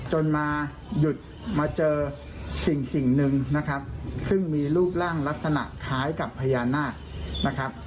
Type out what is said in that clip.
จนมาหยุดมาเจอสิ่งหนึ่งนะครับซึ่งมีรูปร่างลักษณะคล้ายกับพญานาคนะครับ